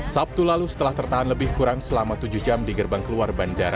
sabtu lalu setelah tertahan lebih kurang selama tujuh jam di gerbang keluar bandara